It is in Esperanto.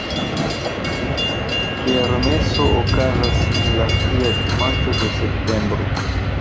Kermeso okazas en la tria dimanĉo de septembro.